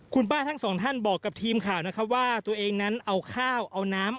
คุณป้าทั้งสองท่านบอกกับทีมข่าวนะครับว่าตัวเองนั้นเอาข้าวเอาน้ำ